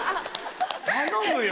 頼むよ！